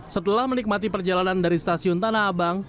setelah menikmati perjalanan dari stasiun tanah abang